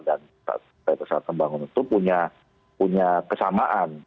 dan ketua pesat pembangunan itu punya kesamaan